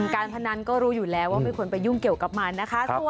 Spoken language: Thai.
การพนันก็รู้อยู่แล้วว่าไม่ควรไปยุ่งเกี่ยวกับมันนะคะ